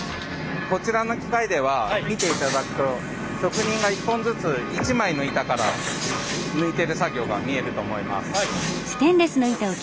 こちらの機械では見ていただくと職人が一本ずつ一枚の板から抜いてる作業が見えると思います。